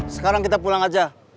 sekarang kita pulang aja